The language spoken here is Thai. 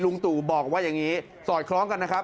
ตู่บอกว่าอย่างนี้สอดคล้องกันนะครับ